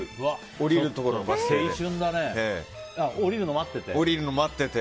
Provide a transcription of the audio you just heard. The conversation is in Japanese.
降りるのを待ってて？